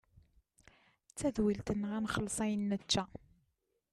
D tadwilt-nneɣ ad nxelles ayen nečča.